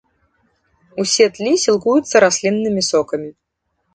Усе тлі сілкуюцца расліннымі сокамі.